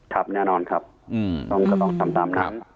ครับแน่นอนครับต้องกระต่อตามนะครับ